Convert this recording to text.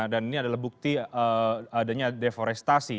dan ini adalah bukti adanya deforestasi